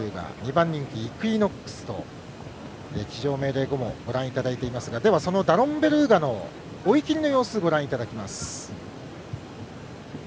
２番人気イクイノックスと騎乗命令後もご覧いただいていますがダノンベルーガの追い切りの様子ご覧いただきます。